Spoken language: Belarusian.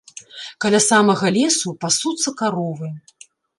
Каля самага лесу пасуцца каровы.